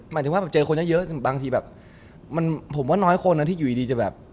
หมายถึงว่าแบบเจอคนเยอะบางทีแบบมันผมว่าน้อยคนนะที่อยู่ดีจะแบบ